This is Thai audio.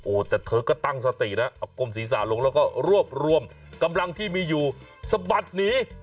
แต่เธอก็ตั้งสตินะเอากลมศีรษะลงแล้วก็รวบรวมกำลังที่มีอยู่สะบัดหนี